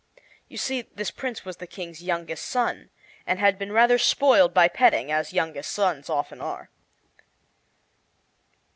You see, this Prince was the King's youngest son, and had been rather spoiled by petting, as youngest sons often are.